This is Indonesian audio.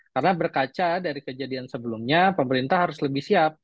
karena berkaca dari kejadian sebelumnya pemerintah harus lebih siap